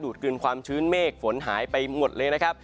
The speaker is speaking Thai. กลืนความชื้นเมฆฝนหายไปหมดเลยนะครับ